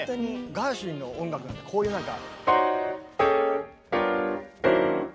ガーシュウィンの音楽なんてこういうなんか。